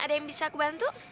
ada yang bisa aku bantu